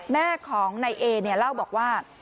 แม่ของนายเอเนี่ยเล่าบอกว่า